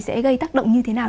sẽ gây tác động như thế nào